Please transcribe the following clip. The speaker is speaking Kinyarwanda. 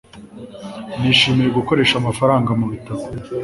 nishimiye gukoresha amafaranga mubitabo